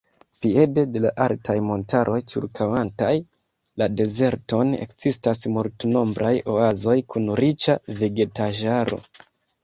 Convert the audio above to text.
Piede de la altaj montaroj ĉirkaŭantaj la dezerton ekzistas multnombraj oazoj kun riĉa vegetaĵaro.